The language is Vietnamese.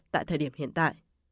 tại thời điểm hiện tại